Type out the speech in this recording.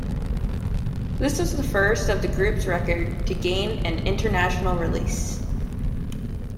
This was the first of the group's records to gain an international releas.